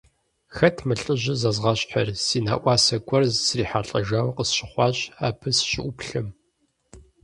Хэт мы лӀыжьыр зэзгъэщхьыр – си нэӀуасэ гуэр срихьэлӀэжауэ къысщыхъуащ, абы сыщыӀуплъэм.